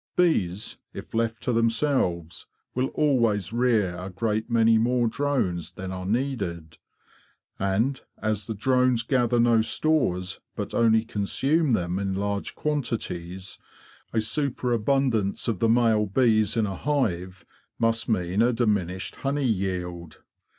Bees, if left to them selves, will always rear a great many more drones than are needed; and as the drones gather no stores but only consume them in large quantities, a super abundance of the male bees in a hive must mean a diminished honey yield.